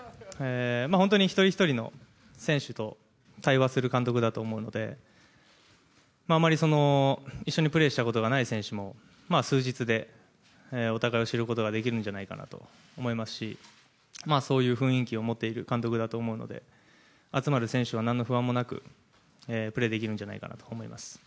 本当に一人一人の選手と対話する監督だと思うので、あまり一緒にプレーしたことがない選手も、数日で、お互いを知ることができるんじゃないかなと思いますし、そういう雰囲気を持っている監督だと思うので、集まる選手は何の不安もなく、プレーできるんじゃないかなと思います。